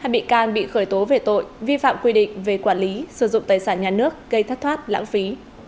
hai bị can bị khởi tố về tội vi phạm quy định về quản lý sử dụng tài sản nhà nước gây thất thoát lãng phí